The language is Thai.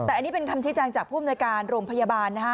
อันนี้เป็นคำใช้แจงจากภูมิในการโรงพยาบาลนะฮะ